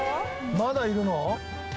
まだいるの？